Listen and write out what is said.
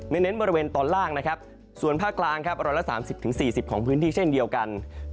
เน้นบริเวณตอนล่างนะครับส่วนภาคกลางครับ๑๓๐๔๐ของพื้นที่เช่นเดียวกัน